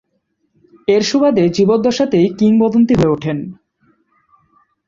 এর সুবাদে জীবদ্দশাতেই কিংবদন্তি হয়ে ওঠেন।